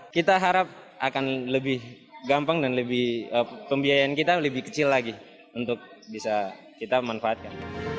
kita harap akan lebih gampang dan lebih pembiayaan kita lebih kecil lagi untuk bisa kita manfaatkan